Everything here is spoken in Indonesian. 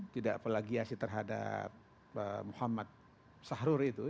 tidak pelagiasi terhadap muhammad sahrur itu